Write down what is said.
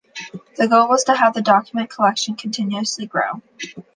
The goal was to have the document collection continuously grow.